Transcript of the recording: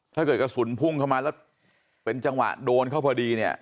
ถ้าเกิดกระสุนพุ่งเข้ามาแล้วเป็นจังหวะโดนเข้าพอดีเนี่ย